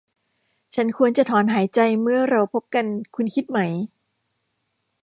ฉันควรจะถอนหายใจเมื่อเราพบกันคุณคิดไหม ?